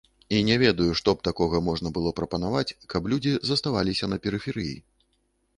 І не ведаю, што б такога можна было прапанаваць, каб людзі заставаліся на перыферыі.